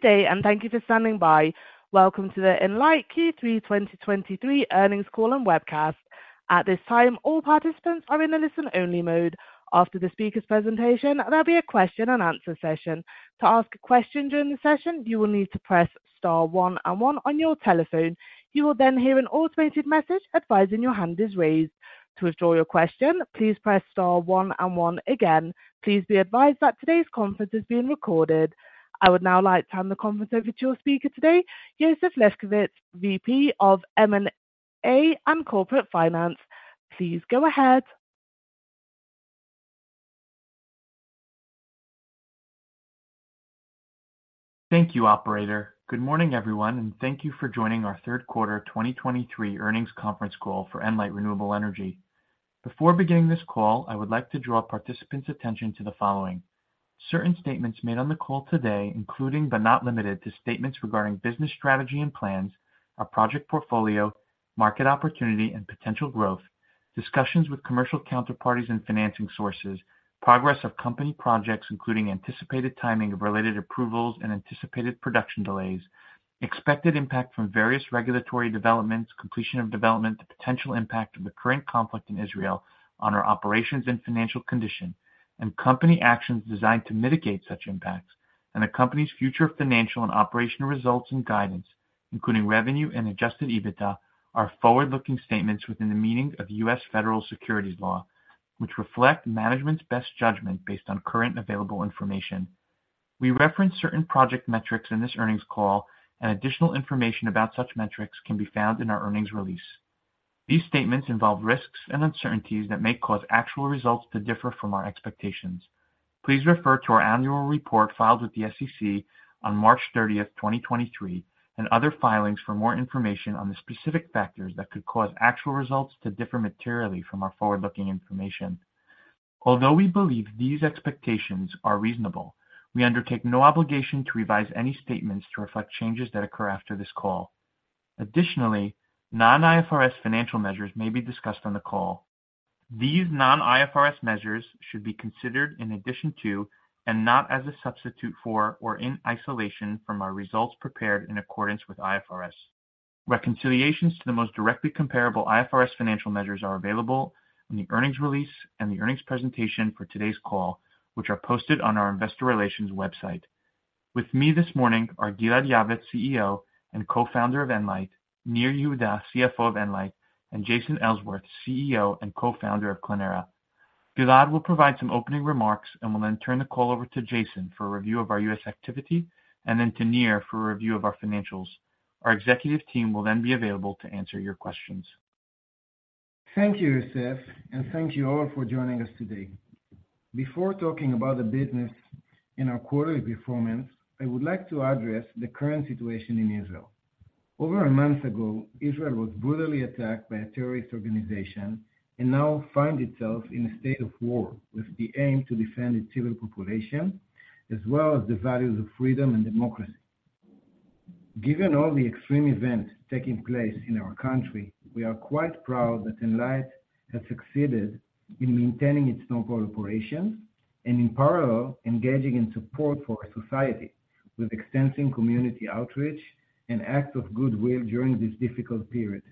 Good day, and thank you for standing by. Welcome to the Enlight Q3 2023 Earnings Call and webcast. At this time, all participants are in a listen-only mode. After the speaker's presentation, there'll be a question-and-answer session. To ask a question during the session, you will need to press star one and one on your telephone. You will then hear an automated message advising your hand is raised. To withdraw your question, please press star one and one again. Please be advised that today's conference is being recorded. I would now like to hand the conference over to your speaker today, Yosef Lefkovitz, VP of M&A and Corporate Finance. Please go ahead. Thank you, operator. Good morning, everyone, and thank you for joining our third quarter 2023 earnings conference call for Enlight Renewable Energy. Before beginning this call, I would like to draw participants' attention to the following. Certain statements made on the call today, including but not limited to statements regarding business strategy and plans, our project portfolio, market opportunity, and potential growth, discussions with commercial counterparties and financing sources, progress of company projects, including anticipated timing of related approvals and anticipated production delays, expected impact from various regulatory developments, completion of development, the potential impact of the current conflict in Israel on our operations and financial condition, and company actions designed to mitigate such impacts, and the company's future financial and operational results and guidance, including revenue and Adjusted EBITDA, are forward-looking statements within the meaning of U.S. Federal Securities Law, which reflect management's best judgment based on current and available information. We reference certain project metrics in this earnings call, and additional information about such metrics can be found in our earnings release. These statements involve risks and uncertainties that may cause actual results to differ from our expectations. Please refer to our annual report filed with the SEC on March 30, 2023, and other filings for more information on the specific factors that could cause actual results to differ materially from our forward-looking information. Although we believe these expectations are reasonable, we undertake no obligation to revise any statements to reflect changes that occur after this call. Additionally, non-IFRS financial measures may be discussed on the call. These non-IFRS measures should be considered in addition to, and not as a substitute for, or in isolation from our results prepared in accordance with IFRS. Reconciliations to the most directly comparable IFRS financial measures are available in the earnings release and the earnings presentation for today's call, which are posted on our investor relations website. With me this morning are Gilad Yavetz, CEO and Co-Founder of Enlight, Nir Yehuda, CFO of Enlight, and Jason Ellsworth, CEO and co-founder of Clēnera. Gilad will provide some opening remarks and will then turn the call over to Jason for a review of our U.S. activity, and then to Nir for a review of our financials. Our executive team will then be available to answer your questions. Thank you, Yosef, and thank you all for joining us today. Before talking about the business and our quarterly performance, I would like to address the current situation in Israel. Over a month ago, Israel was brutally attacked by a terrorist organization and now finds itself in a state of war, with the aim to defend its civil population, as well as the values of freedom and democracy. Given all the extreme events taking place in our country, we are quite proud that Enlight has succeeded in maintaining its normal operations and, in parallel, engaging in support for our society with extensive community outreach and acts of goodwill during this difficult period.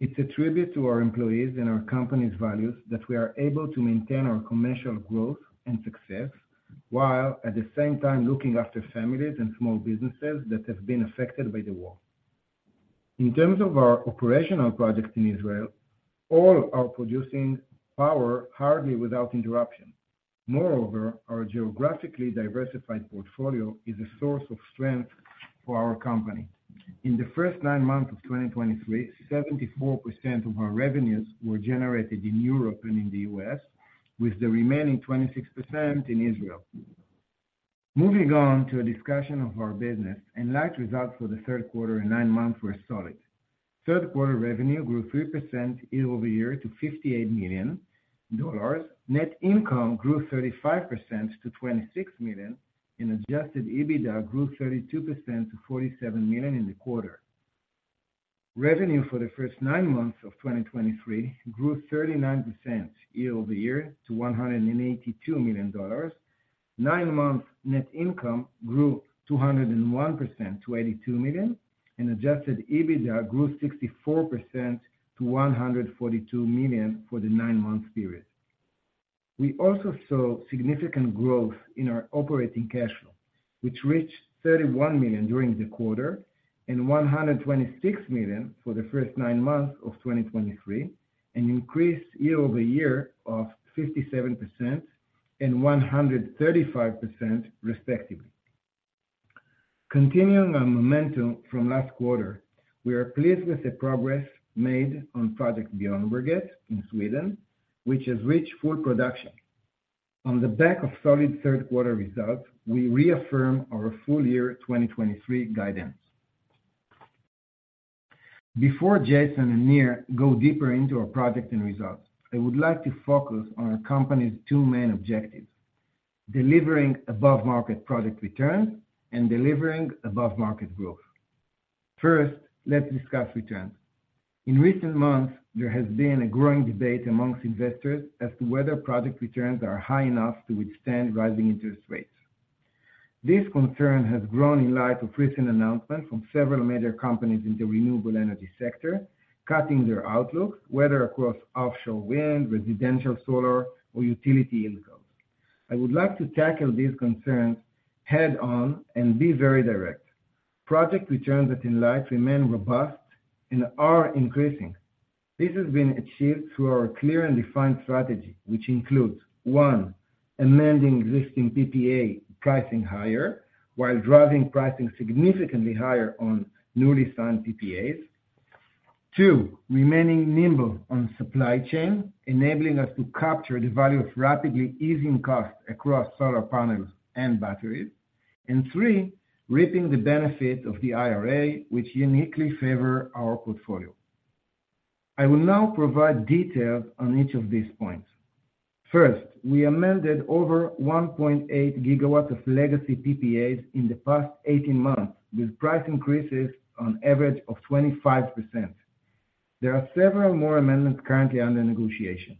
It's a tribute to our employees and our company's values that we are able to maintain our commercial growth and success, while at the same time looking after families and small businesses that have been affected by the war. In terms of our operational projects in Israel, all are producing power hardly without interruption. Moreover, our geographically diversified portfolio is a source of strength for our company. In the first nine months of 2023, 74% of our revenues were generated in Europe and in the U.S., with the remaining 26% in Israel. Moving on to a discussion of our business, Enlight results for the third quarter and nine months were solid. Third quarter revenue grew 3% year-over-year to $58 million. Net income grew 35% to $26 million, and adjusted EBITDA grew 32% to $47 million in the quarter. Revenue for the first nine months of 2023 grew 39% year-over-year to $182 million. Nine-month net income grew 201% to $82 million, and Adjusted EBITDA grew 64% to $142 million for the nine-month period. We also saw significant growth in our operating cash flow, which reached $31 million during the quarter and $126 million for the first nine months of 2023, an increase year-over-year of 57% and 135% respectively. Continuing our momentum from last quarter, we are pleased with the progress made on project Björnberget in Sweden, which has reached full production. On the back of solid third quarter results, we reaffirm our full-year 2023 guidance. Before Jason and Nir go deeper into our project and results, I would like to focus on our company's two main objectives: delivering above-market project returns and delivering above-market growth. First, let's discuss returns. In recent months, there has been a growing debate among investors as to whether project returns are high enough to withstand rising interest rates. This concern has grown in light of recent announcements from several major companies in the renewable energy sector, cutting their outlook, whether across offshore wind, residential solar, or utility income. I would like to tackle these concerns head-on and be very direct. Project returns at Enlight remain robust and are increasing. This has been achieved through our clear and defined strategy, which includes: one, amending existing PPA pricing higher, while driving pricing significantly higher on newly signed PPAs. 2, remaining nimble on supply chain, enabling us to capture the value of rapidly easing costs across solar panels and batteries. And 3, reaping the benefit of the IRA, which uniquely favor our portfolio. I will now provide details on each of these points. First, we amended over 1.8 GW of legacy PPAs in the past 18 months, with price increases on average of 25%. There are several more amendments currently under negotiation.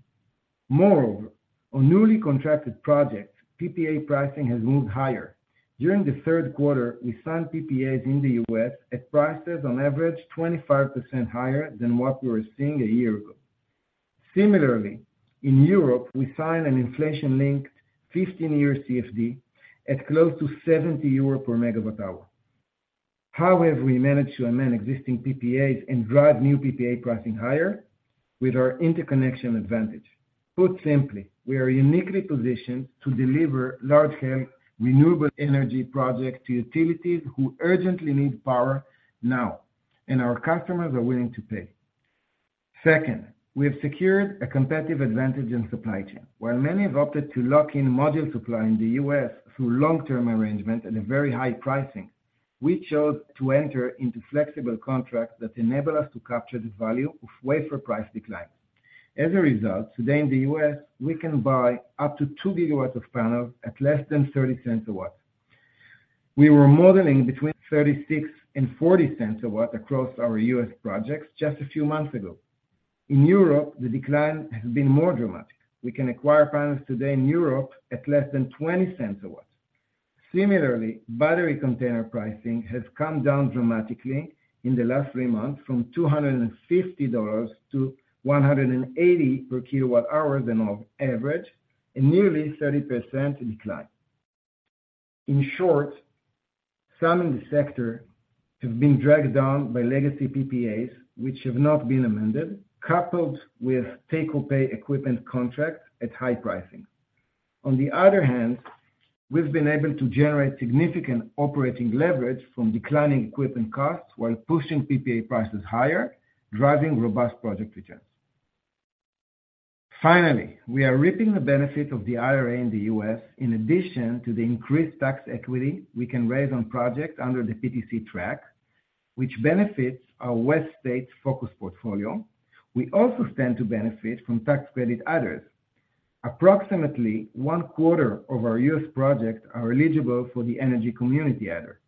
Moreover, on newly contracted projects, PPA pricing has moved higher. During the third quarter, we signed PPAs in the U.S. at prices on average 25% higher than what we were seeing a year ago. Similarly, in Europe, we signed an inflation-linked 15-year CFD at close to 70 euro/MWh. How have we managed to amend existing PPAs and drive new PPA pricing higher? With our interconnection advantage. Put simply, we are uniquely positioned to deliver large-scale renewable energy projects to utilities who urgently need power now, and our customers are willing to pay. Second, we have secured a competitive advantage in supply chain. While many have opted to lock in module supply in the U.S. through long-term arrangement at a very high pricing, we chose to enter into flexible contracts that enable us to capture the value of wafer price decline. As a result, today in the U.S., we can buy up to 2 GW of panels at less than $0.30/W. We were modeling between $0.36-$0.40/W across our U.S. projects just a few months ago. In Europe, the decline has been more dramatic. We can acquire panels today in Europe at less than $0.20/W. Similarly, battery container pricing has come down dramatically in the last three months from $250 to $180 per kWh that on average, a nearly 30% decline. In short, some in the sector have been dragged down by legacy PPAs, which have not been amended, coupled with take-or-pay equipment contracts at high pricing. On the other hand, we've been able to generate significant operating leverage from declining equipment costs while pushing PPA prices higher, driving robust project returns. Finally, we are reaping the benefit of the IRA in the U.S. In addition to the increased tax equity we can raise on projects under the PTC track, which benefits our West State focused portfolio. We also stand to benefit from tax credit adders. Approximately one quarter of our U.S. projects are eligible for the energy community adder.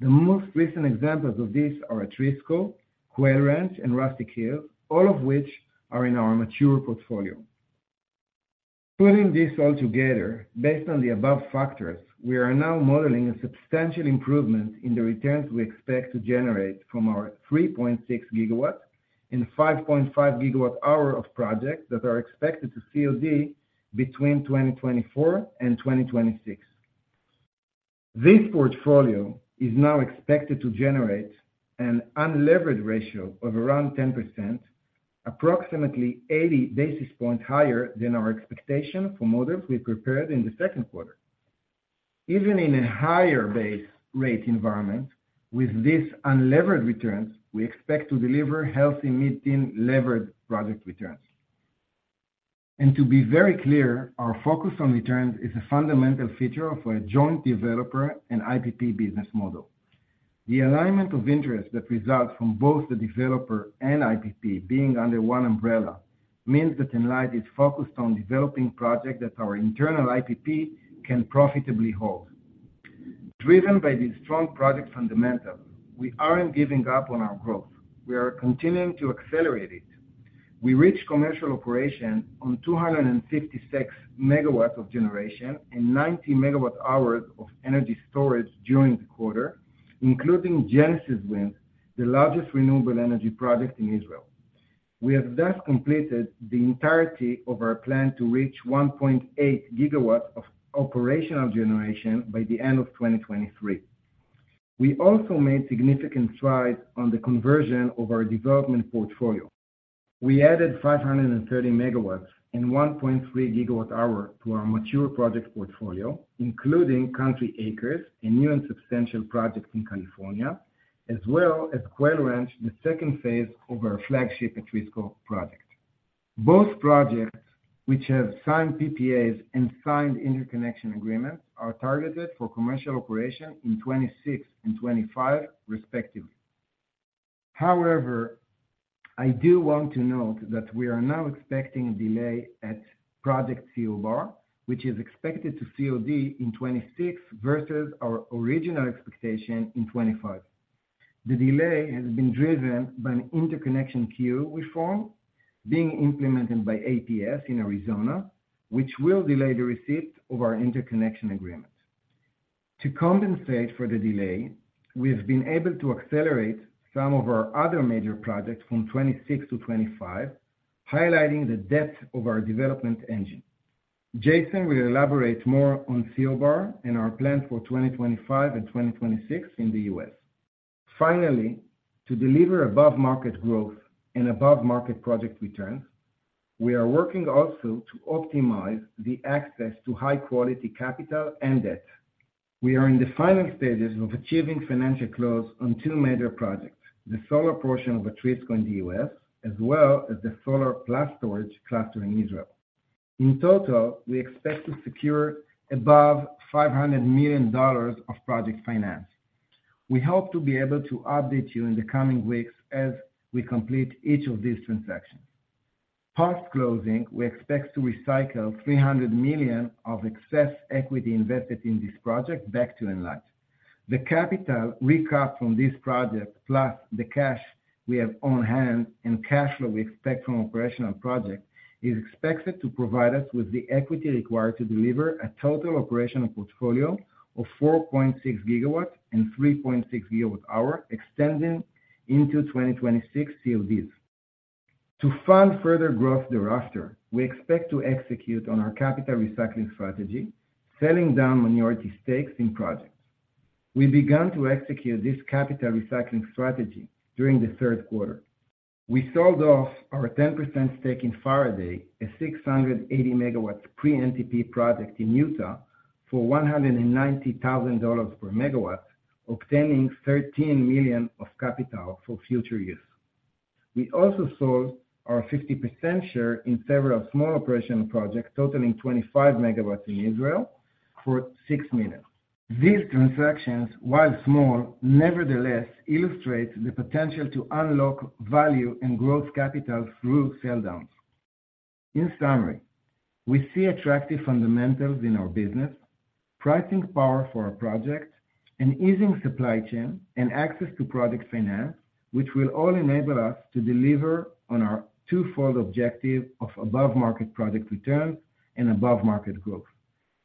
The most recent examples of this are Atrisco, Quail Ranch, and Rustic Hills, all of which are in our mature portfolio. Putting this all together, based on the above factors, we are now modeling a substantial improvement in the returns we expect to generate from our 3.6 GW and 5.5 GWh of projects that are expected to COD between 2024 and 2026. This portfolio is now expected to generate an unlevered ratio of around 10%, approximately 80 basis points higher than our expectation for models we prepared in the second quarter. Even in a higher base rate environment, with this unlevered returns, we expect to deliver healthy mid-teen levered project returns. And to be very clear, our focus on returns is a fundamental feature of a joint developer and IPP business model. The alignment of interest that results from both the developer and IPP being under one umbrella, means that Enlight is focused on developing projects that our internal IPP can profitably hold. Driven by these strong project fundamentals, we aren't giving up on our growth. We are continuing to accelerate it. We reached commercial operation on 256 MW of generation and 90 MWh of energy storage during the quarter, including Genesis Wind, the largest renewable energy project in Israel. We have thus completed the entirety of our plan to reach 1.8 GW of operational generation by the end of 2023. We also made significant strides on the conversion of our development portfolio. We added 530 MW and 1.3 GWh to our mature project portfolio, including Country Acres, a new and substantial project in California, as well as Quail Ranch, the second phase of our flagship Atrisco project. Both projects, which have signed PPAs and signed interconnection agreements, are targeted for commercial operation in 2026 and 2025, respectively. However, I do want to note that we are now expecting a delay at Project CO Bar, which is expected to COD in 2026 versus our original expectation in 2025. The delay has been driven by an interconnection queue reform being implemented by APS in Arizona, which will delay the receipt of our interconnection agreement. To compensate for the delay, we've been able to accelerate some of our other major projects from 2026 to 2025, highlighting the depth of our development engine. Jason will elaborate more on CO Bar and our plans for 2025 and 2026 in the U.S. Finally, to deliver above-market growth and above-market project returns, we are working also to optimize the access to high-quality capital and debt. We are in the final stages of achieving financial close on two major projects, the solar portion of Atrisco in the U.S., as well as the solar plus storage cluster in Israel. In total, we expect to secure above $500 million of project finance. We hope to be able to update you in the coming weeks as we complete each of these transactions. Post-closing, we expect to recycle $300 million of excess equity invested in this project back to Enlight. The capital we got from this project, plus the cash we have on hand and cash flow we expect from operational project, is expected to provide us with the equity required to deliver a total operational portfolio of 4.6 GW and 3.6 GWh, extending into 2026 CODs. To fund further growth thereafter, we expect to execute on our capital recycling strategy, selling down minority stakes in projects. We began to execute this capital recycling strategy during the third quarter. We sold off our 10% stake in Faraday, a 680 MW pre-NTP project in Utah, for $190,000 per MW, obtaining $13 million of capital for future use. We also sold our 50% share in several small operation projects, totaling 25 MW in Israel for $6 million. These transactions, while small, nevertheless illustrates the potential to unlock value and growth capital through sell downs. In summary, we see attractive fundamentals in our business, pricing power for our projects, and easing supply chain and access to project finance, which will all enable us to deliver on our twofold objective of above-market project return and above-market growth.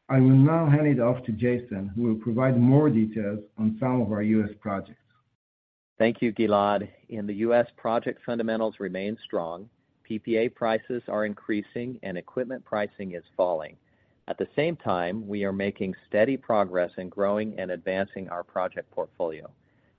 I will now hand it off to Jason, who will provide more details on some of our U.S. projects. Thank you, Gilad. In the U.S., project fundamentals remain strong, PPA prices are increasing, and equipment pricing is falling. At the same time, we are making steady progress in growing and advancing our project portfolio.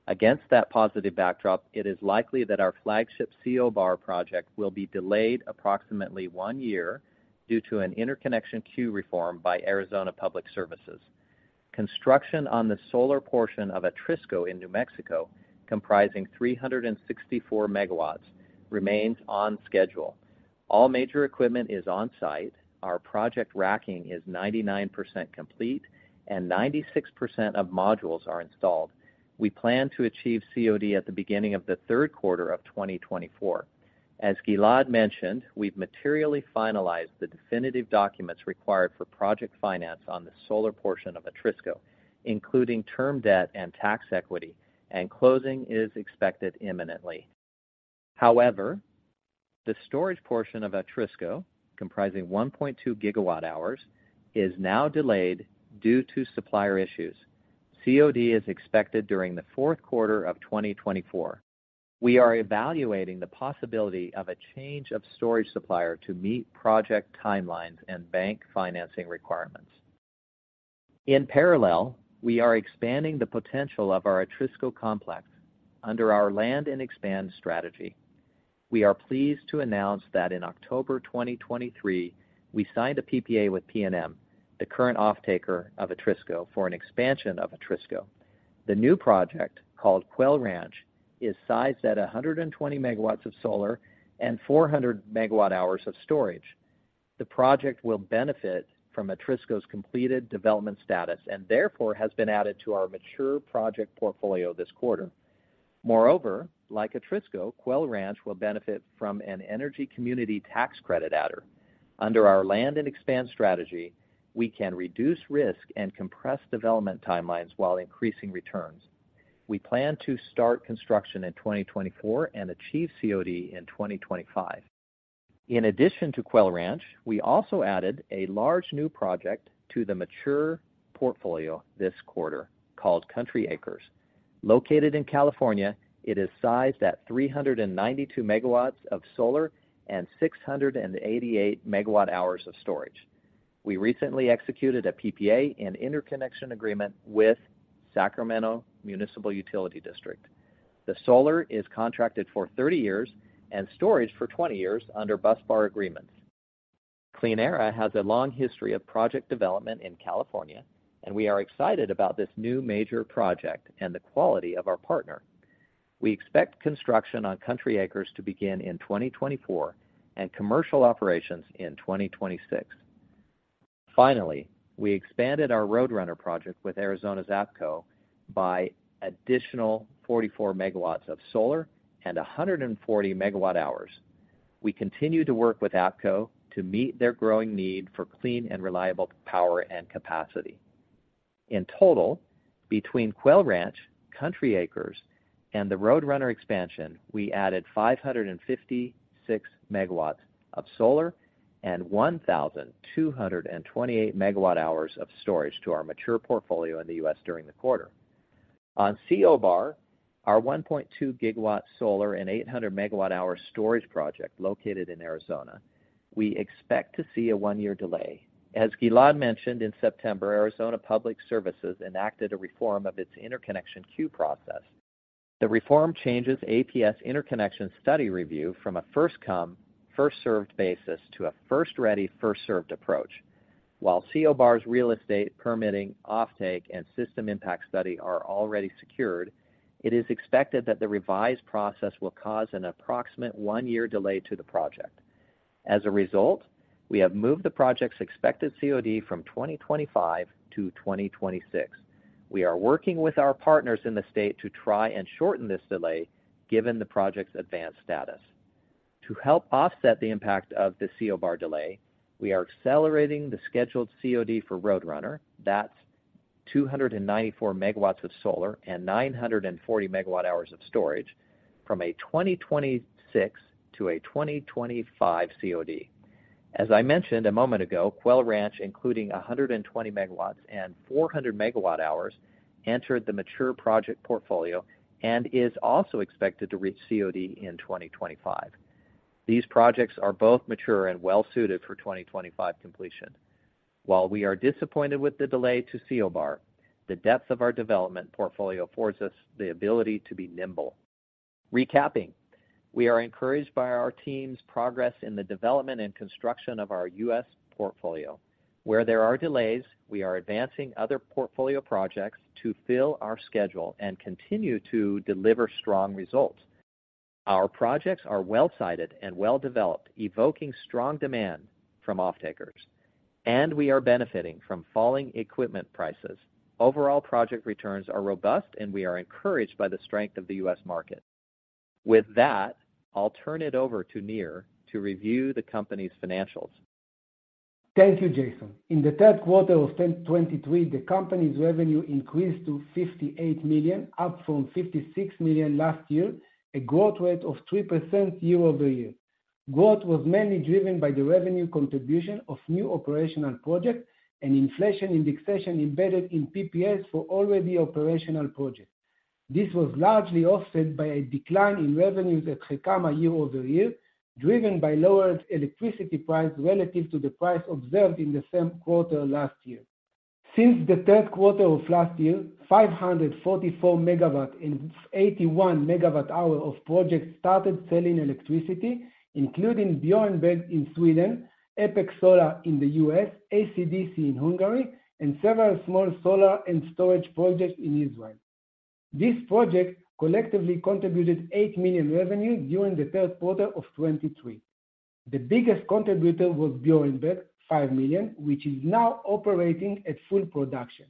Against that positive backdrop, it is likely that our flagship CO Bar project will be delayed approximately one year due to an interconnection queue reform by Arizona Public Service. Construction on the solar portion of Atrisco in New Mexico, comprising 364 MW, remains on schedule. All major equipment is on-site, our project racking is 99% complete, and 96% of modules are installed. We plan to achieve COD at the beginning of the third quarter of 2024. As Gilad mentioned, we've materially finalized the definitive documents required for project finance on the solar portion of Atrisco, including term debt and tax equity, and closing is expected imminently. However, the storage portion of Atrisco, comprising 1.2 GWh, is now delayed due to supplier issues. COD is expected during the fourth quarter of 2024. We are evaluating the possibility of a change of storage supplier to meet project timelines and bank financing requirements. In parallel, we are expanding the potential of our Atrisco complex under our land and expand strategy. We are pleased to announce that in October 2023, we signed a PPA with PNM, the current offtaker of Atrisco, for an expansion of Atrisco. The new project, called Quail Ranch, is sized at 120 MW of solar and 400 MWh of storage. The project will benefit from Atrisco's completed development status and therefore has been added to our mature project portfolio this quarter. Moreover, like Atrisco, Quail Ranch will benefit from an energy community tax credit adder. Under our land and expand strategy, we can reduce risk and compress development timelines while increasing returns. We plan to start construction in 2024 and achieve COD in 2025. In addition to Quail Ranch, we also added a large new project to the mature portfolio this quarter, called Country Acres. Located in California, it is sized at 392 MW of solar and 688 MWh of storage. We recently executed a PPA and interconnection agreement with Sacramento Municipal Utility District. The solar is contracted for 30 years and storage for 20 years under busbar agreements. Clēnera has a long history of project development in California, and we are excited about this new major project and the quality of our partner. We expect construction on Country Acres to begin in 2024 and commercial operations in 2026. Finally, we expanded our Roadrunner project with Arizona's AEPCO by additional 44 MW of solar and 140 MWh. We continue to work with AEPCO to meet their growing need for clean and reliable power and capacity. In total, between Quail Ranch, Country Acres, and the Roadrunner expansion, we added 556 MW of solar and 1,228 MWh of storage to our mature portfolio in the U.S. during the quarter. On CO Bar, our 1.2 GW solar and 800 MWh storage project located in Arizona, we expect to see a one-year delay. As Gilad mentioned, in September, Arizona Public Service enacted a reform of its interconnection queue process. The reform changes APS interconnection study review from a first come, first served basis to a first ready, first served approach. While CO Bar's real estate permitting, offtake, and system impact study are already secured, it is expected that the revised process will cause an approximate one-year delay to the project. As a result, we have moved the project's expected COD from 2025 to 2026. We are working with our partners in the state to try and shorten this delay, given the project's advanced status. To help offset the impact of the CO Bar delay, we are accelerating the scheduled COD for Roadrunner. That's 294 MW of solar and 940 MWh of storage from a 2026 to a 2025 COD. As I mentioned a moment ago, Quail Ranch, including 120 MW and 400 MWh, entered the mature project portfolio and is also expected to reach COD in 2025. These projects are both mature and well suited for 2025 completion. While we are disappointed with the delay to CO Bar, the depth of our development portfolio affords us the ability to be nimble. Recapping, we are encouraged by our team's progress in the development and construction of our U.S. portfolio. Where there are delays, we are advancing other portfolio projects to fill our schedule and continue to deliver strong results. Our projects are well-sited and well-developed, evoking strong demand from offtakers, and we are benefiting from falling equipment prices. Overall, project returns are robust, and we are encouraged by the strength of the U.S. market. With that, I'll turn it over to Nir to review the company's financials. Thank you, Jason. In the third quarter of 2023, the company's revenue increased to $58 million, up from $56 million last year, a growth rate of 3% year-over-year. Growth was mainly driven by the revenue contribution of new operational projects and inflation indexation embedded in PPS for already operational projects. This was largely offset by a decline in revenues at Gecama year-over-year, driven by lower electricity price relative to the price observed in the same quarter last year. Since the third quarter of last year, 544 MW and 81 MWh of projects started selling electricity, including Björnberget in Sweden, Apex Solar in the U.S., AC/DC in Hungary, and several small solar and storage projects in Israel. These projects collectively contributed $8 million revenue during the third quarter of 2023. The biggest contributor was Björnberget, $5 million, which is now operating at full production.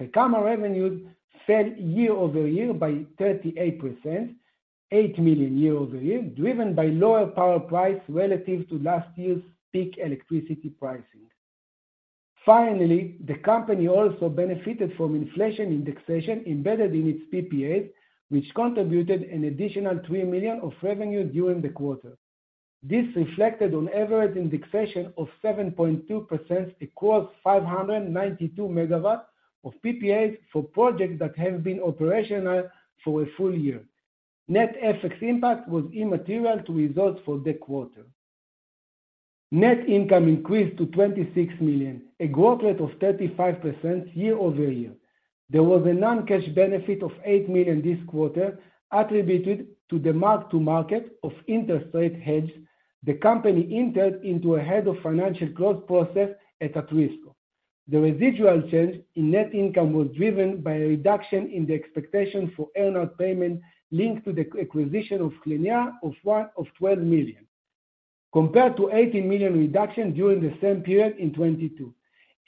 Israel revenues fell year-over-year by 38%, $8 million year-over-year, driven by lower power price relative to last year's peak electricity pricing. Finally, the company also benefited from inflation indexation embedded in its PPAs, which contributed an additional $3 million of revenue during the quarter. This reflected on average indexation of 7.2% across 592 MW of PPAs for projects that have been operational for a full year. Net FX impact was immaterial to results for the quarter. Net income increased to $26 million, a growth rate of 35% year-over-year. There was a non-cash benefit of $8 million this quarter, attributed to the mark to market of interest rate hedge. The company entered into ahead of financial close process at-risk. The residual change in net income was driven by a reduction in the expectation for earn out payment linked to the acquisition of Clēnera of $12 million, compared to $18 million reduction during the same period in 2022,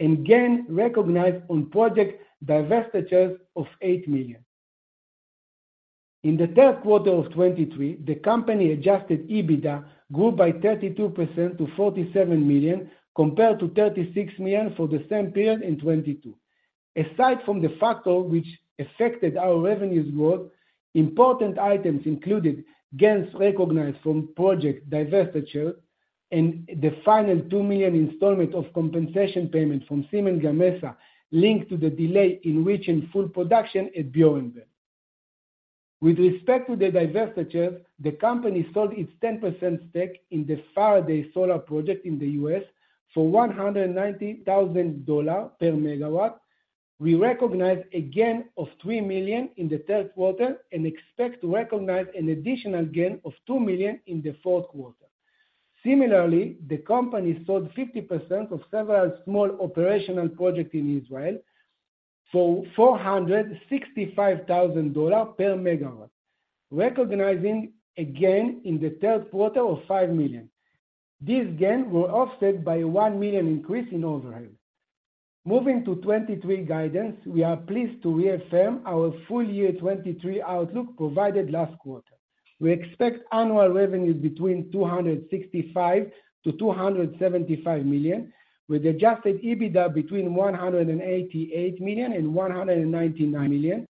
and gain recognized on project divestitures of $8 million. In the third quarter of 2023, the company adjusted EBITDA grew by 32% to $47 million, compared to $36 million for the same period in 2022. Aside from the factors which affected our revenues growth, important items included gains recognized from project divestiture and the final $2 million installment of compensation payments from Siemens Gamesa, linked to the delay in reaching full production at Björnberget. With respect to the divestiture, the company sold its 10% stake in the Faraday solar project in the U.S. for $190,000 per megawatt. We recognize a gain of $3 million in the third quarter and expect to recognize an additional gain of $2 million in the fourth quarter. Similarly, the company sold fifty percent of several small operational projects in Israel for $465,000 per megawatt, recognizing a gain in the third quarter of $5 million. This gain were offset by a $1 million increase in overhead. Moving to 2023 guidance, we are pleased to reaffirm our full year 2023 outlook provided last quarter. We expect annual revenues between $265 million-$275 million, with adjusted EBITDA between $188 million and $199 million.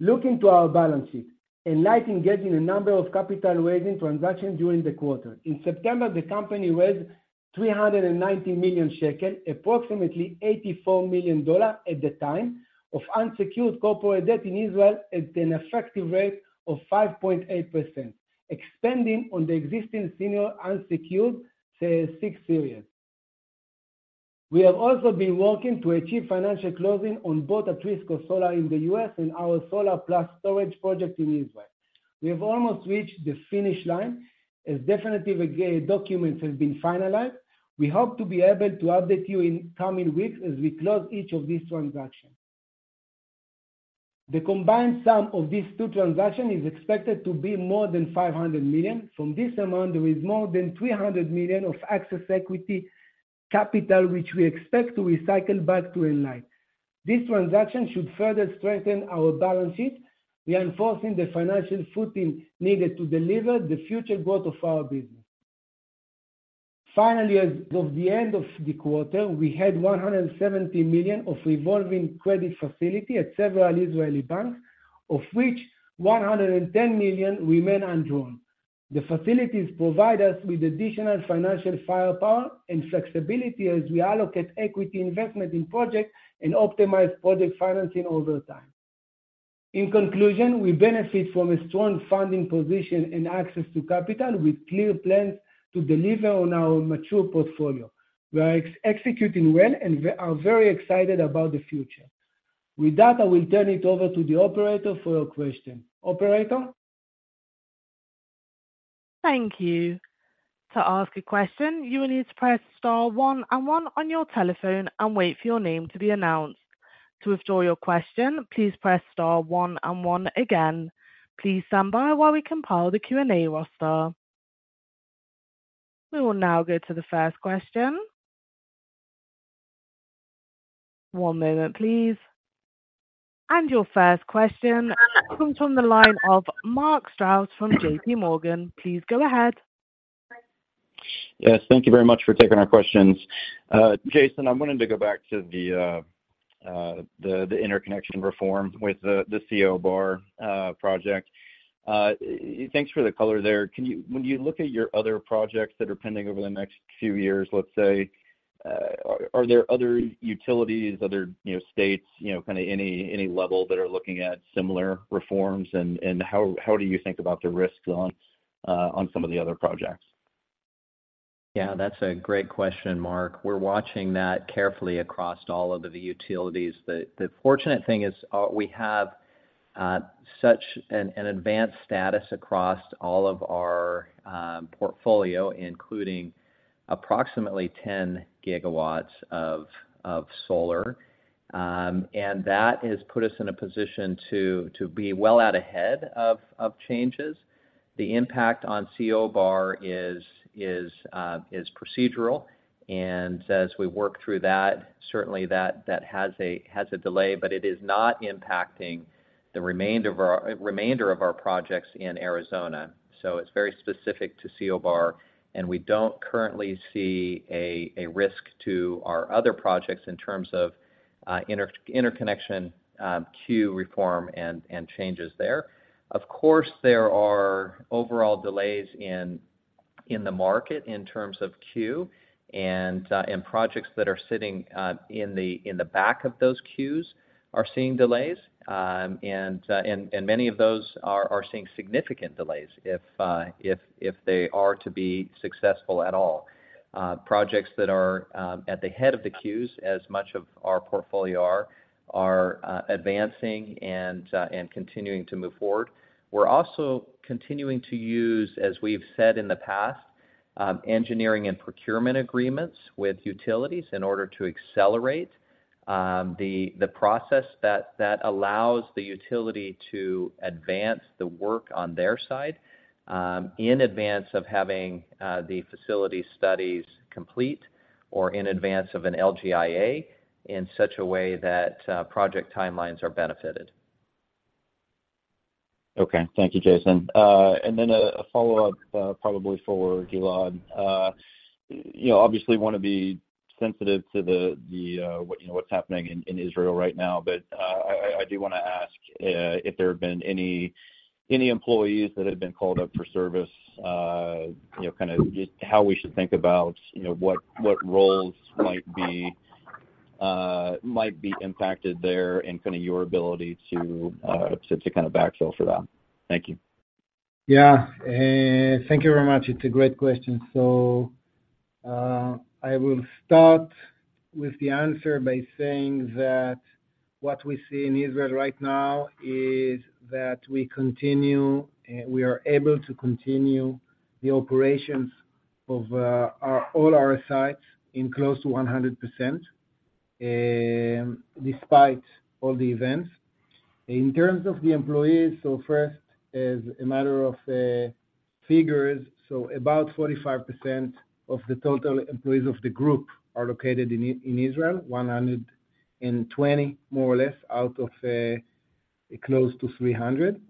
Looking to our balance sheet, Enlight engaging a number of capital raising transactions during the quarter. In September, the company raised 390 million shekel, approximately $84 million at the time, of unsecured corporate debt in Israel at an effective rate of 5.8%, expanding on the existing senior unsecured, 6 Series. We have also been working to achieve financial closing on both Atrisco Solar in the US and our solar plus storage project in Israel. We have almost reached the finish line, as definitive, documents has been finalized. We hope to be able to update you in coming weeks as we close each of these transactions. The combined sum of these two transactions is expected to be more than $500 million. From this amount, there is more than $300 million of excess equity capital, which we expect to recycle back to Enlight. This transaction should further strengthen our balance sheet, reinforcing the financial footing needed to deliver the future growth of our business. Finally, as of the end of the quarter, we had $170 million of revolving credit facility at several Israeli banks, of which $110 million remain undrawn. The facilities provide us with additional financial firepower and flexibility as we allocate equity investment in projects and optimize project financing over time. In conclusion, we benefit from a strong funding position and access to capital, with clear plans to deliver on our mature portfolio. We are executing well, and we are very excited about the future. With that, I will turn it over to the operator for your question. Operator? Thank you. To ask a question, you will need to press star one and one on your telephone and wait for your name to be announced. To withdraw your question, please press star one and one again. Please stand by while we compile the Q&A roster. We will now go to the first question. One moment, please. Your first question comes from the line of Mark Strouse from JPMorgan. Please go ahead. Yes, thank you very much for taking our questions. Jason, I'm wanting to go back to the, the interconnection reform with the, the CO Bar, project. Thanks for the color there. Can you? When you look at your other projects that are pending over the next few years, let's say, are, are there other utilities, other, you know, states, you know, kind of any, any level that are looking at similar reforms? And, and how, how do you think about the risks on, on some of the other projects? Yeah, that's a great question, Mark. We're watching that carefully across all of the utilities. The fortunate thing is, we have such an advanced status across all of our portfolio, including approximately 10 GW of solar. And that has put us in a position to be well out ahead of changes. The impact on CO Bar is procedural, and as we work through that, certainly that has a delay, but it is not impacting the remainder of our remainder of our projects in Arizona. So it's very specific to CO Bar, and we don't currently see a risk to our other projects in terms of interconnection queue reform and changes there. Of course, there are overall delays in the market in terms of queue, and projects that are sitting in the back of those queues are seeing delays. Many of those are seeing significant delays if they are to be successful at all. Projects that are at the head of the queues, as much of our portfolio are, advancing and continuing to move forward. We're also continuing to use, as we've said in the past, engineering and procurement agreements with utilities in order to accelerate the process that allows the utility to advance the work on their side, in advance of having the facility studies complete or in advance of an LGIA, in such a way that project timelines are benefited. Okay. Thank you, Jason. And then a follow-up, probably for Gilad. You know, obviously, want to be sensitive to the what you know, what's happening in Israel right now. But I do wanna ask if there have been any employees that have been called up for service, you know, kind of how we should think about what roles might be impacted there and kind of your ability to backfill for that. Thank you. Yeah. Thank you very much. It's a great question. So, I will start with the answer by saying that what we see in Israel right now is that we continue, we are able to continue the operations of our all our sites in close to 100%, and despite all the events. In terms of the employees, so first, as a matter of figures, so about 45% of the total employees of the group are located in – in Israel, 120, more or less, out of close to 300.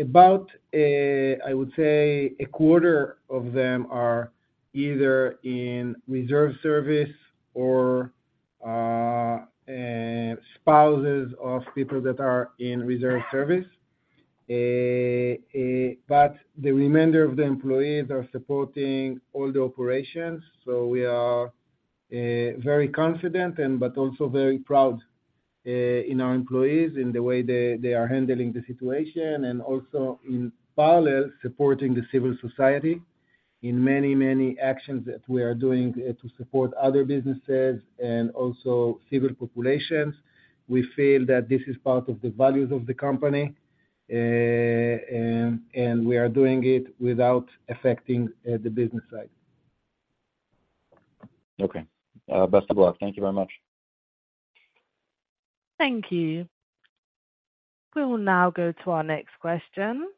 About a quarter of them are either in reserve service or spouses of people that are in reserve service. But the remainder of the employees are supporting all the operations. So we are very confident and but also very proud in our employees, in the way they are handling the situation, and also in parallel, supporting the civil society in many, many actions that we are doing to support other businesses and also civil populations. We feel that this is part of the values of the company, and we are doing it without affecting the business side. Okay. Best of luck. Thank you very much. Thank you. We will now go to our next question.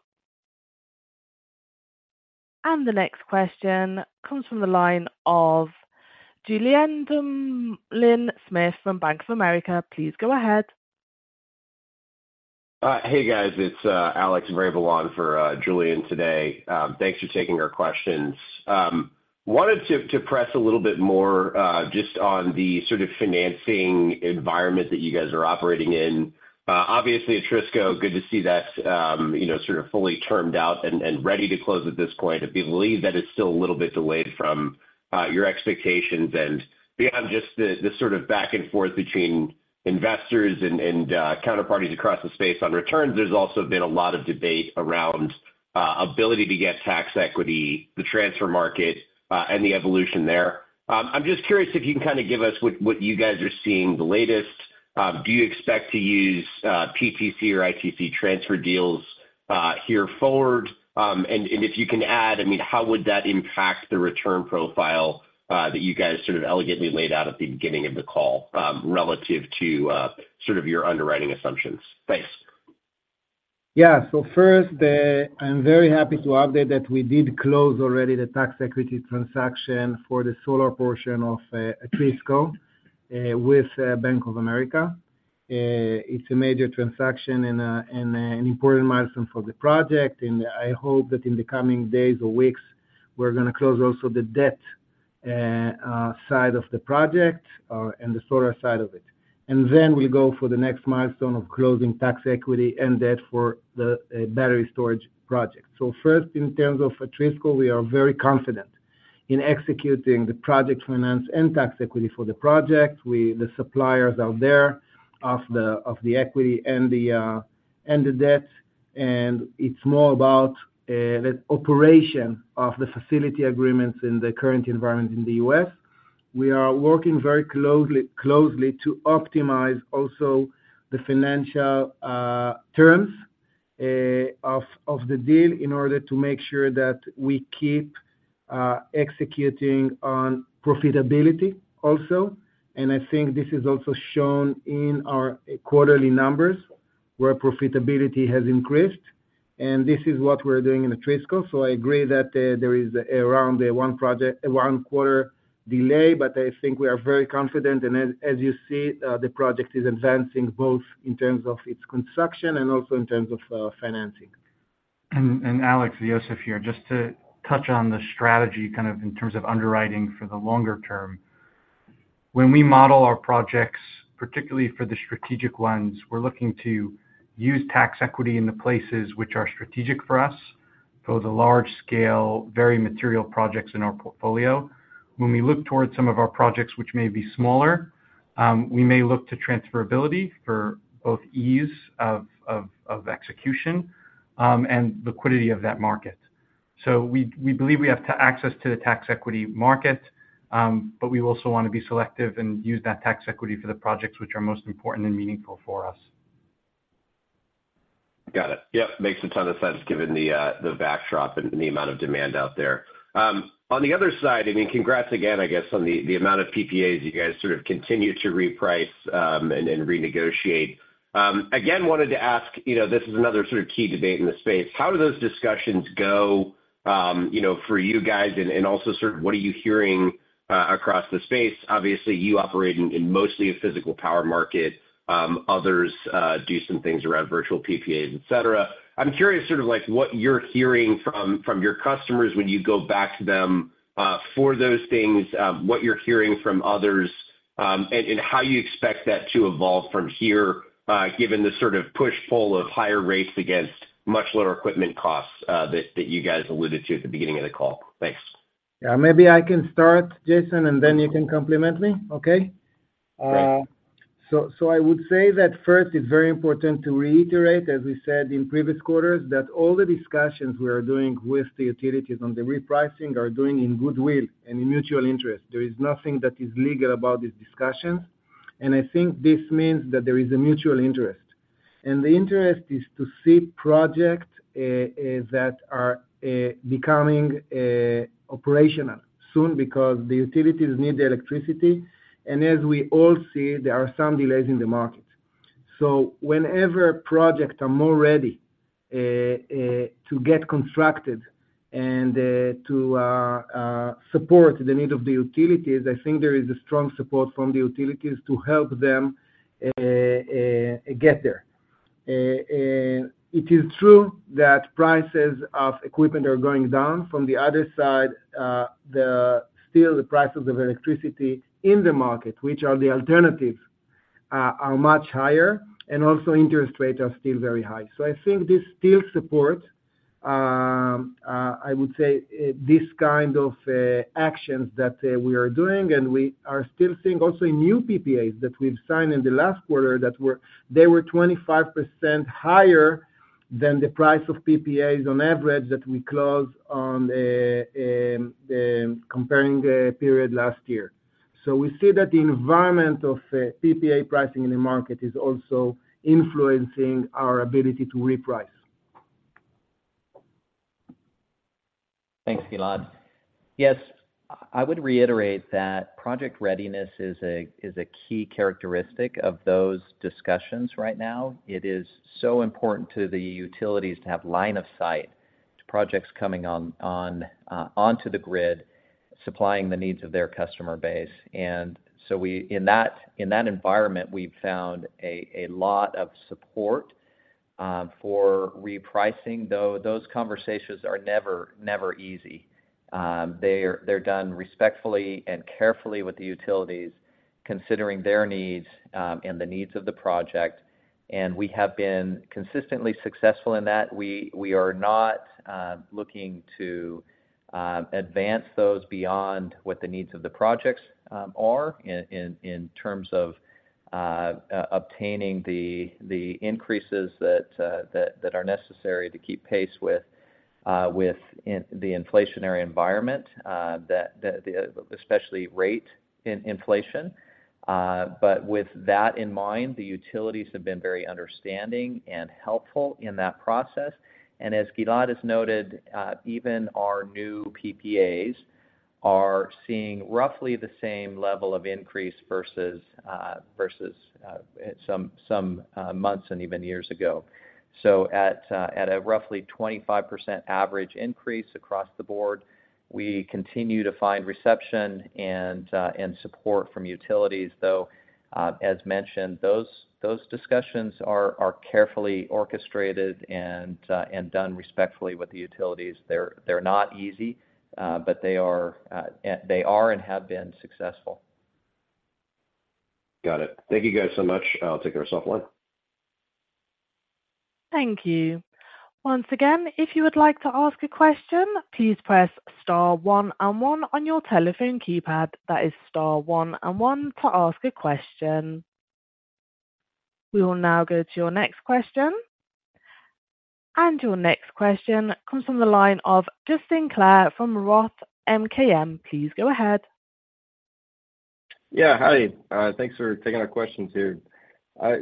The next question comes from the line of Julien Dumoulin-Smith from Bank of America. Please go ahead. Hey, guys, it's Alex Vrabel for Julien today. Thanks for taking our questions. Wanted to press a little bit more just on the sort of financing environment that you guys are operating in. Obviously, at Atrisco, good to see that, you know, sort of fully termed out and ready to close at this point. I believe that it's still a little bit delayed from your expectations. And beyond just the sort of back and forth between investors and counterparties across the space on returns, there's also been a lot of debate around ability to get tax equity, the transfer market, and the evolution there. I'm just curious if you can kind of give us what you guys are seeing the latest. Do you expect to use PTC or ITC transfer deals here forward? And if you can add, I mean, how would that impact the return profile that you guys sort of elegantly laid out at the beginning of the call, relative to sort of your underwriting assumptions? Thanks. Yeah. So first, I'm very happy to update that we did close already the tax equity transaction for the solar portion of Atrisco with Bank of America. It's a major transaction and an important milestone for the project, and I hope that in the coming days or weeks, we're gonna close also the debt side of the project and the solar side of it. And then we go for the next milestone of closing tax equity and debt for the battery storage project. So first, in terms of Atrisco, we are very confident in executing the project finance and tax equity for the project. The suppliers are there of the equity and the debt, and it's more about the operation of the facility agreements in the current environment in the U.S. We are working very closely, closely to optimize also the financial terms of the deal in order to make sure that we keep executing on profitability also. And I think this is also shown in our quarterly numbers, where profitability has increased, and this is what we're doing in Atrisco. So I agree that there is around a one project, a one quarter delay, but I think we are very confident. And as you see, the project is advancing both in terms of its construction and also in terms of financing. Alex, Yosef here, just to touch on the strategy, kind of in terms of underwriting for the longer term. When we model our projects, particularly for the strategic ones, we're looking to use tax equity in the places which are strategic for us, so the large scale, very material projects in our portfolio. When we look towards some of our projects, which may be smaller, we may look to transferability for both ease of execution and liquidity of that market. So we believe we have to access to the tax equity market, but we also want to be selective and use that tax equity for the projects which are most important and meaningful for us. Got it. Yep, makes a ton of sense, given the backdrop and the amount of demand out there. On the other side, I mean, congrats again, I guess, on the amount of PPAs you guys sort of continue to reprice and renegotiate. Again, wanted to ask, you know, this is another sort of key debate in the space: How do those discussions go, you know, for you guys, and also sort of what are you hearing across the space? Obviously, you operate in mostly a physical power market, others do some things around virtual PPAs, et cetera. I'm curious, sort of like, what you're hearing from your customers when you go back to them, for those things, what you're hearing from others, and how you expect that to evolve from here, given the sort of push-pull of higher rates against much lower equipment costs, that you guys alluded to at the beginning of the call. Thanks. Yeah, maybe I can start, Jason, and then you can complement me. Okay? Great. So, so I would say that first, it's very important to reiterate, as we said in previous quarters, that all the discussions we are doing with the utilities on the repricing are doing in goodwill and in mutual interest. There is nothing that is legal about these discussions, and I think this means that there is a mutual interest. And the interest is to see project that are becoming operational soon because the utilities need the electricity. And as we all see, there are some delays in the market. So whenever projects are more ready to get constructed and to support the need of the utilities, I think there is a strong support from the utilities to help them get there. And it is true that prices of equipment are going down. From the other side, still, the prices of electricity in the market, which are the alternatives, are much higher, and also interest rates are still very high. So I think this still support, I would say, this kind of actions that we are doing, and we are still seeing also new PPAs that we've signed in the last quarter that were they were 25% higher than the price of PPAs on average that we closed on, comparing the period last year. So we see that the environment of PPA pricing in the market is also influencing our ability to reprice. Thanks, Gilad. Yes, I would reiterate that project readiness is a key characteristic of those discussions right now. It is so important to the utilities to have line of sight to projects coming onto the grid, supplying the needs of their customer base. And so in that environment, we've found a lot of support for repricing, though those conversations are never easy. They're done respectfully and carefully with the utilities, considering their needs and the needs of the project. And we have been consistently successful in that. We are not looking to advance those beyond what the needs of the projects are in terms of obtaining the increases that are necessary to keep pace with the inflationary environment that the especially rate in inflation. But with that in mind, the utilities have been very understanding and helpful in that process. And as Gilad has noted, even our new PPAs are seeing roughly the same level of increase versus some months and even years ago. So at a roughly 25% average increase across the board, we continue to find reception and support from utilities, though, as mentioned, those discussions are carefully orchestrated and done respectfully with the utilities. They're not easy, but they are and have been successful. Got it. Thank you, guys, so much. I'll take ourselves offline. Thank you. Once again, if you would like to ask a question, please press star one and one on your telephone keypad. That is star one and one to ask a question. We will now go to your next question. Your next question comes from the line of Justin Clare from Roth MKM. Please go ahead. Yeah, hi. Thanks for taking our questions here.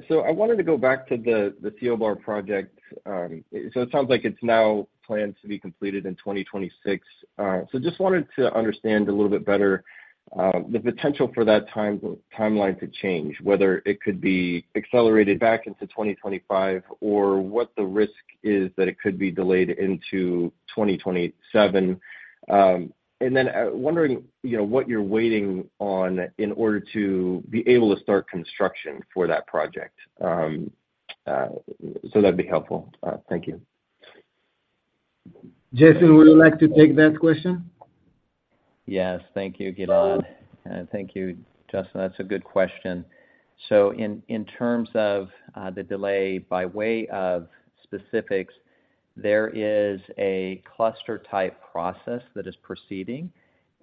So I wanted to go back to the, the CO Bar project. So it sounds like it's now planned to be completed in 2026. So just wanted to understand a little bit better, the potential for that timeline to change, whether it could be accelerated back into 2025 or what the risk is that it could be delayed into 2027. And then, wondering, you know, what you're waiting on in order to be able to start construction for that project. So that'd be helpful. Thank you. Jason, would you like to take that question? Yes. Thank you, Gilad. Thank you, Justin. That's a good question. So in, in terms of, the delay, by way of specifics, there is a cluster-type process that is proceeding,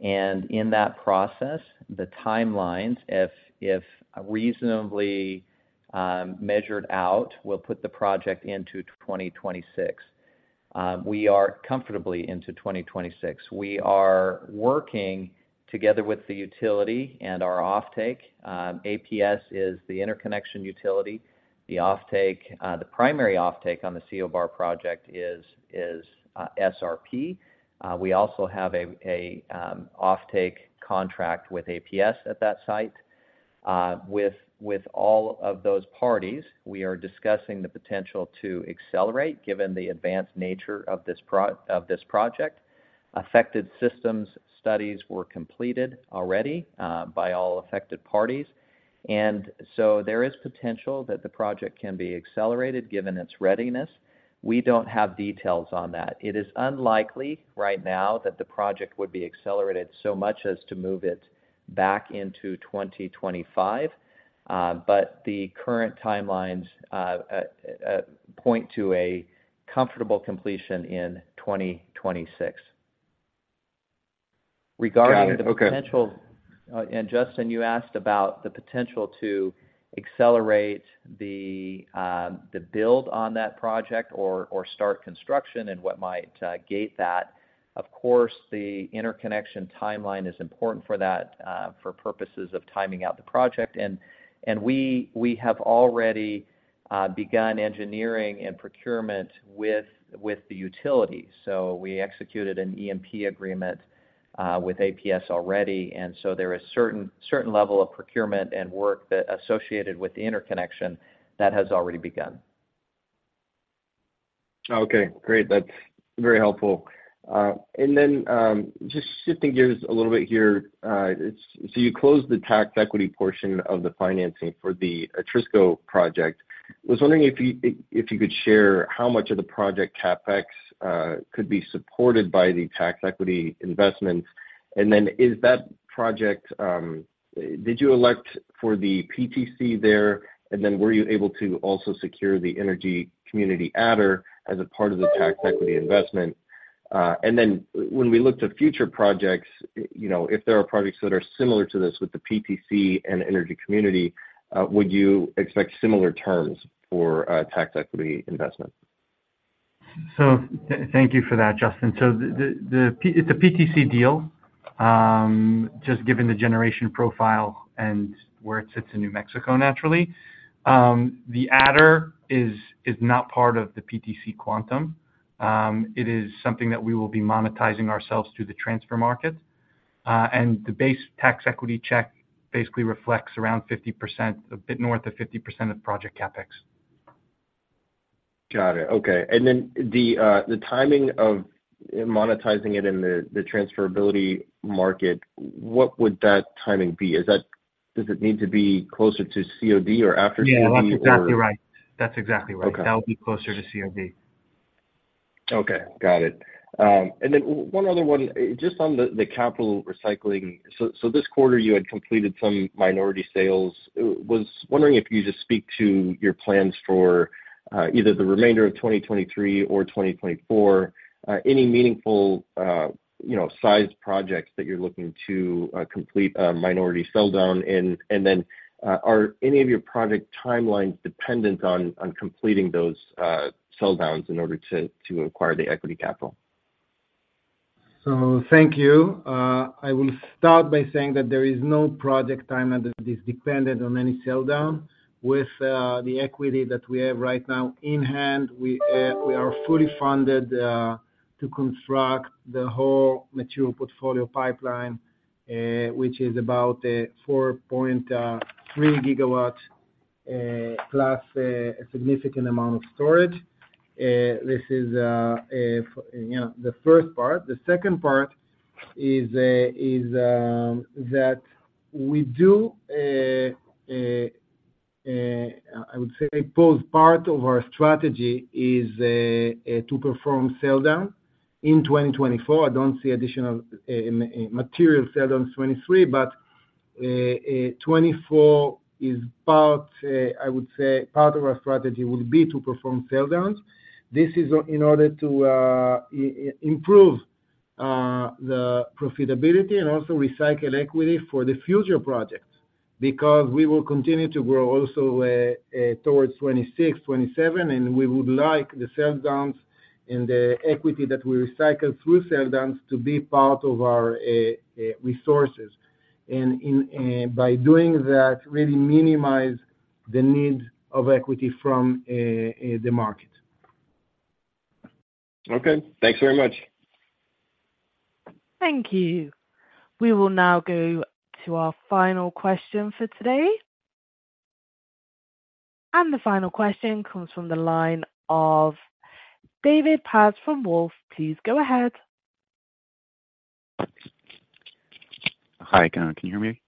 and in that process, the timelines, if, if reasonably, measured out, will put the project into 2026. We are comfortably into 2026. We are working together with the utility and our offtake. APS is the interconnection utility. The offtake, the primary offtake on the CO Bar project is, is, SRP. We also have a, a, offtake contract with APS at that site. With, with all of those parties, we are discussing the potential to accelerate, given the advanced nature of this project. Affected systems studies were completed already, by all affected parties. And so there is potential that the project can be accelerated, given its readiness. We don't have details on that. It is unlikely right now that the project would be accelerated so much as to move it back into 2025, but the current timelines point to a comfortable completion in 2026. Regarding- Got it. Okay. The potential... and Justin, you asked about the potential to accelerate the build on that project or start construction and what might gate that. Of course, the interconnection timeline is important for that, for purposes of timing out the project. And we have already-begun engineering and procurement with, with the utility. So we executed an EPC agreement with APS already, and so there is certain, certain level of procurement and work that associated with the interconnection that has already begun. Okay, great. That's very helpful. And then, just shifting gears a little bit here, so you closed the tax equity portion of the financing for the Atrisco project. I was wondering if you could share how much of the project CapEx could be supported by the tax equity investments. And then is that project, did you elect for the PTC there? And then were you able to also secure the energy community adder as a part of the tax equity investment? And then when we look to future projects, you know, if there are projects that are similar to this with the PTC and energy community, would you expect similar terms for tax equity investment? So thank you for that, Justin. So the P-- it's a PTC deal, just given the generation profile and where it sits in New Mexico, naturally. The adder is not part of the PTC quantum. It is something that we will be monetizing ourselves through the transfer market. And the base tax equity check basically reflects around 50%, a bit north of 50% of project CapEx. Got it. Okay. And then the timing of monetizing it in the transferability market, what would that timing be? Is that? Does it need to be closer to COD or after COD, or? Yeah, that's exactly right. That's exactly right. Okay. That would be closer to COD. Okay, got it. And then one other one, just on the, the capital recycling. So, so this quarter, you had completed some minority sales. Was wondering if you could just speak to your plans for, either the remainder of 2023 or 2024. Any meaningful, you know, sized projects that you're looking to, complete a minority sell down in? And then, are any of your project timelines dependent on, completing those, sell downs in order to, acquire the equity capital? So thank you. I will start by saying that there is no project timeline that is dependent on any sell down. With the equity that we have right now in hand, we are fully funded to construct the whole mature portfolio pipeline, which is about a 4.3 GW plus a significant amount of storage. This is, you know, the first part. The second part is that we do, I would say, both part of our strategy is to perform sell down in 2024. I don't see additional material sell down 2023, but 2024 is part, I would say, part of our strategy would be to perform sell downs. In order to improve the profitability and also recycle equity for the future projects. Because we will continue to grow also towards 2026, 2027, and we would like the sell downs and the equity that we recycle through sell downs to be part of our resources. And by doing that, really minimize the need of equity from the market. Okay, thanks very much. Thank you. We will now go to our final question for today. The final question comes from the line of David Paz from Wolfe. Please go ahead. Hi, can you hear me?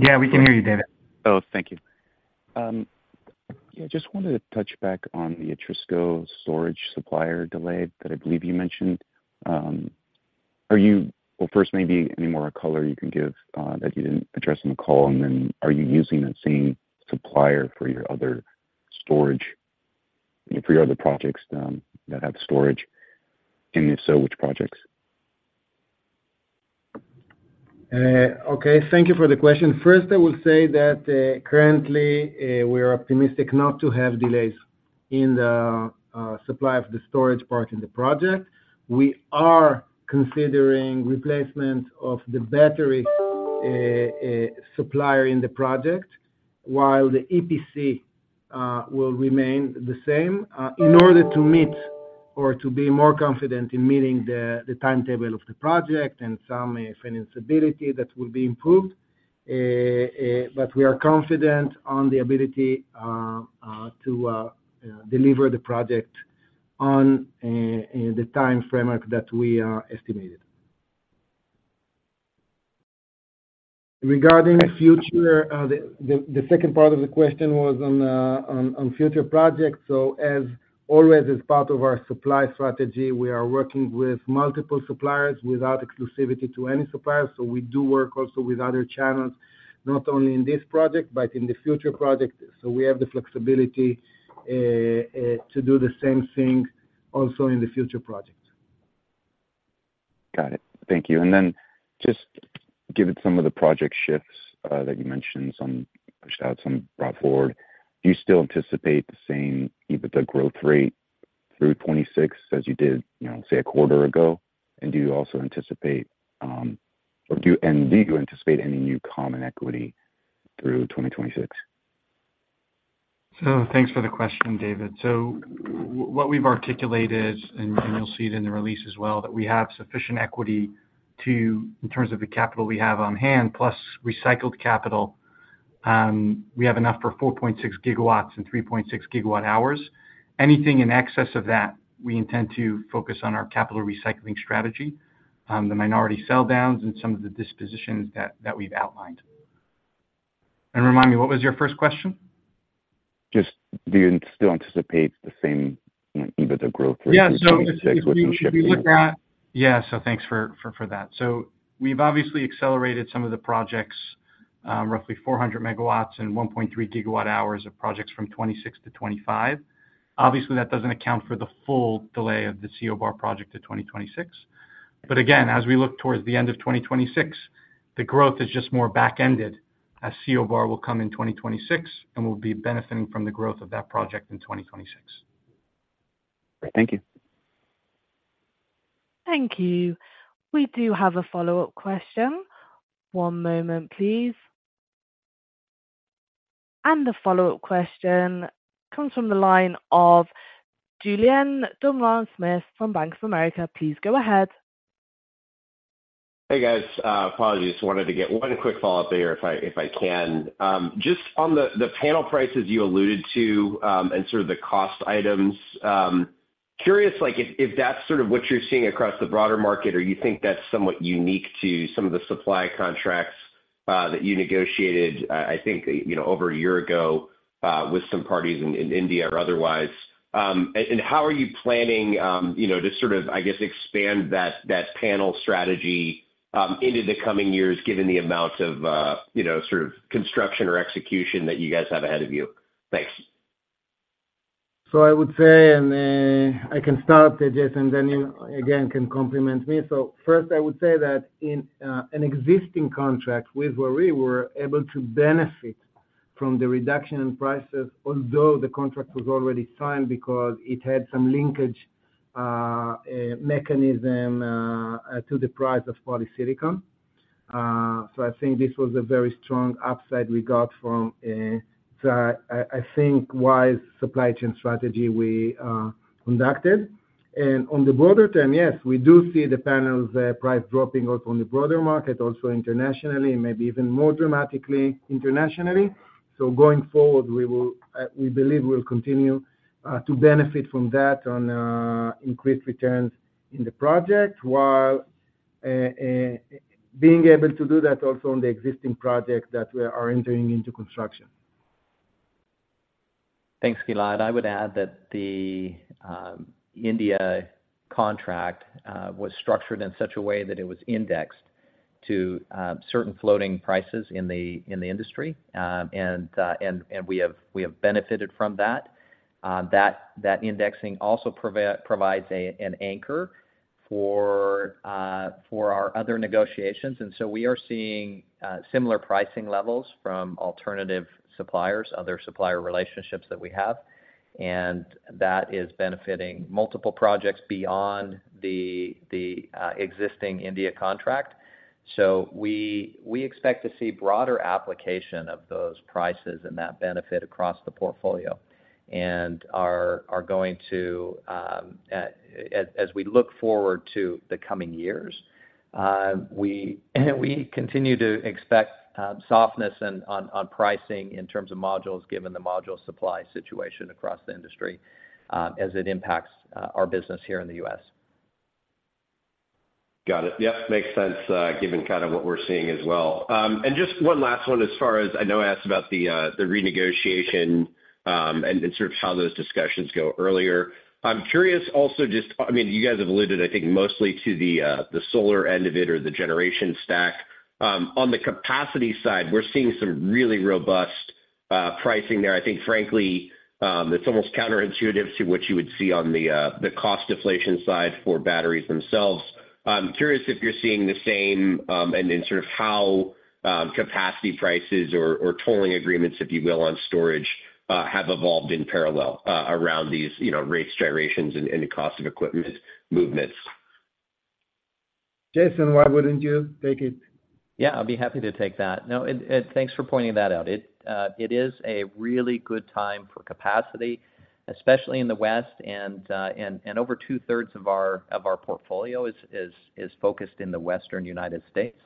Yeah, we can hear you, David. Oh, thank you. Yeah, I just wanted to touch back on the Atrisco storage supplier delay that I believe you mentioned. Are you... Well, first, maybe any more color you can give, that you didn't address on the call, and then are you using that same supplier for your other storage, for your other projects, that have storage? And if so, which projects? Okay. Thank you for the question. First, I will say that currently we're optimistic not to have delays in the supply of the storage part in the project. We are considering replacement of the battery supplier in the project, while the EPC will remain the same in order to meet or to be more confident in meeting the timetable of the project and some financeability that will be improved. But we are confident on the ability to deliver the project on the time framework that we are estimated. Regarding the future, the second part of the question was on future projects. So as always, as part of our supply strategy, we are working with multiple suppliers without exclusivity to any supplier. So we do work also with other channels, not only in this project, but in the future project. So we have the flexibility to do the same thing also in the future project. Got it. Thank you. Then just given some of the project shifts that you mentioned, some pushed out, some brought forward, do you still anticipate the same EBITDA growth rate? through 2026, as you did, you know, say, a quarter ago? And do you also anticipate, and do you anticipate any new common equity through 2026? So thanks for the question, David. So what we've articulated, and you'll see it in the release as well, that we have sufficient equity to, in terms of the capital we have on hand, plus recycled capital, we have enough for 4.6 GW and 3.6 GWh. Anything in excess of that, we intend to focus on our capital recycling strategy, the minority sell downs and some of the dispositions that we've outlined. And remind me, what was your first question? Just, do you still anticipate the same, you know, EBITDA growth rate through 2026? Yeah, so if we look at— Yeah, so thanks for that. So we've obviously accelerated some of the projects, roughly 400 MW and 1.3 GWh of projects from 2026 to 2025. Obviously, that doesn't account for the full delay of the CO Bar project to 2026. But again, as we look towards the end of 2026, the growth is just more back-ended, as CO Bar will come in 2026, and we'll be benefiting from the growth of that project in 2026. Thank you. Thank you. We do have a follow-up question. One moment, please. And the follow-up question comes from the line of Julien Dumoulin-Smith from Bank of America. Please go ahead. Hey, guys, apologies. Just wanted to get one quick follow-up here, if I can. Just on the panel prices you alluded to, and sort of the cost items, curious, like if that's sort of what you're seeing across the broader market, or you think that's somewhat unique to some of the supply contracts that you negotiated, I think, you know, over a year ago, with some parties in India or otherwise. And how are you planning, you know, to sort of, I guess, expand that panel strategy into the coming years, given the amount of, you know, sort of construction or execution that you guys have ahead of you? Thanks. So I would say, and I can start, Jason, then you, again, can complement me. So first, I would say that in an existing contract with where we were able to benefit from the reduction in prices, although the contract was already signed because it had some linkage mechanism to the price of polysilicon. So I think this was a very strong upside we got from the wise supply chain strategy we conducted. And on the broader term, yes, we do see the panels price dropping off on the broader market, also internationally, maybe even more dramatically internationally. So going forward, we believe we'll continue to benefit from that on being able to do that also on the existing projects that we are entering into construction. Thanks, Gilad. I would add that the India contract was structured in such a way that it was indexed to certain floating prices in the industry, and we have benefited from that. That indexing also provides an anchor for our other negotiations. And so we are seeing similar pricing levels from alternative suppliers, other supplier relationships that we have, and that is benefiting multiple projects beyond the existing India contract. So we expect to see broader application of those prices and that benefit across the portfolio, and are going to, as we look forward to the coming years, we continue to expect softness in pricing in terms of modules, given the module supply situation across the industry, as it impacts our business here in the U.S. Got it. Yep, makes sense, given kind of what we're seeing as well. And just one last one as far as I know, I asked about the, the renegotiation, and, and sort of how those discussions go earlier. I'm curious also just... I mean, you guys have alluded, I think, mostly to the, the solar end of it or the generation stack. On the capacity side, we're seeing some really robust, pricing there. I think frankly, it's almost counterintuitive to what you would see on the, the cost deflation side for batteries themselves. I'm curious if you're seeing the same, and then sort of how, capacity prices or, or tolling agreements, if you will, on storage, have evolved in parallel, around these, you know, rate gyrations and, and the cost of equipment movements. Jason, why wouldn't you take it? Yeah, I'll be happy to take that. No, and thanks for pointing that out. It is a really good time for capacity, especially in the West, and over two-thirds of our portfolio is focused in the Western United States,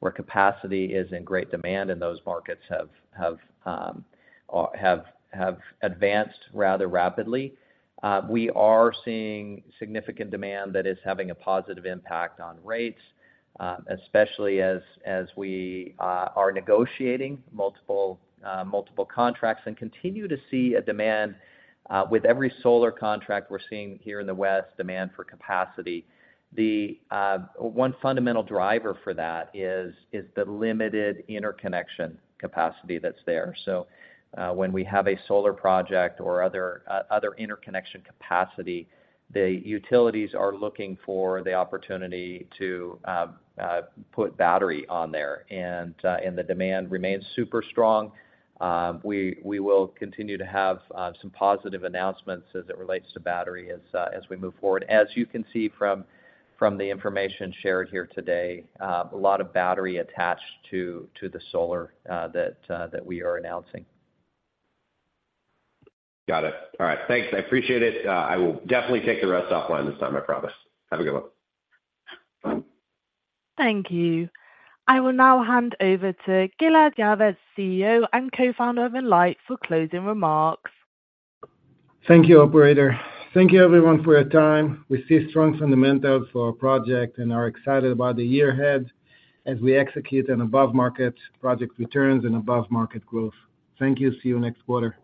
where capacity is in great demand, and those markets have advanced rather rapidly. We are seeing significant demand that is having a positive impact on rates, especially as we are negotiating multiple contracts and continue to see a demand with every solar contract we're seeing here in the West, demand for capacity. The one fundamental driver for that is the limited interconnection capacity that's there. So, when we have a solar project or other interconnection capacity, the utilities are looking for the opportunity to put battery on there, and the demand remains super strong. We will continue to have some positive announcements as it relates to battery as we move forward. As you can see from the information shared here today, a lot of battery attached to the solar that we are announcing. Got it. All right. Thanks, I appreciate it. I will definitely take the rest offline this time, I promise. Have a good one. Thank you. I will now hand over to Gilad Yavetz, CEO and Co-Founder of Enlight, for closing remarks. Thank you, operator. Thank you everyone for your time. We see strong fundamentals for our project and are excited about the year ahead as we execute an above-market project returns and above-market growth. Thank you. See you next quarter.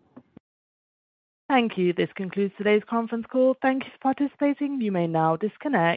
Thank you. This concludes today's conference call. Thank you for participating. You may now disconnect.